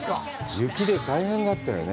雪で大変だったよね。